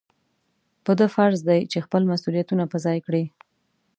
په ده فرض دی چې خپل مسؤلیتونه په ځای کړي.